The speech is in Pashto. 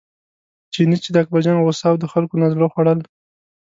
چیني چې د اکبرجان غوسه او د خلکو نه زړه خوړل.